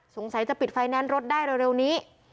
สงสัยจะปิดไฟแนนซ์รถได้เร็วนี้